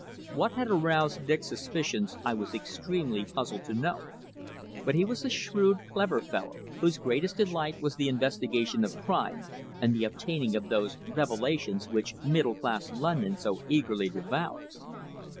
What had aroused Dick's suspicions I was extremely puzzled to know. But he was a shrewd, clever fellow, whose greatest delight was the investigation of crime and the obtaining of those "revelations" which middle class London so eagerly devours.